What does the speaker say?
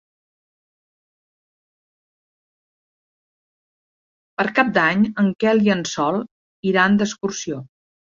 Per Cap d'Any en Quel i en Sol iran d'excursió.